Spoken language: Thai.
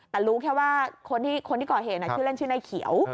แต่รู้แค่ว่าคนที่ก่อเหตุชื่อเล่นชื่อนายเขียว